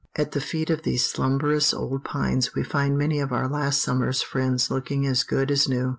At the feet of these slumberous old pines we find many of our last summer's friends looking as good as new.